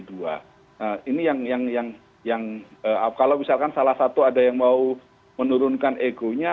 nah ini yang kalau misalkan salah satu ada yang mau menurunkan egonya